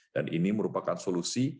dan ini merupakan solusi